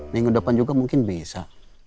minggu depan juga mungkin bisa